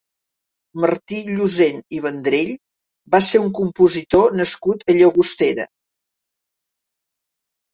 Martí Llosent i Vendrell va ser un compositor nascut a Llagostera.